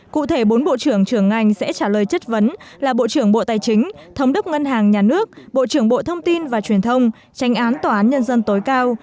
cụ thể bốn bộ trưởng trưởng ngành sẽ trả lời chất vấn là bộ trưởng bộ tài chính thống đốc ngân hàng nhà nước bộ trưởng bộ thông tin và truyền thông tranh án tòa án nhân dân tối cao